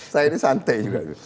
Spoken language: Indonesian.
saya ini santai